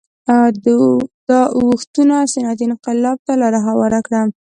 دا اوښتونونه صنعتي انقلاب ته لار هواره کړه